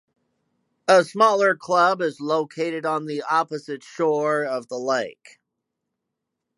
A smaller club is located on the opposite shore of the lake.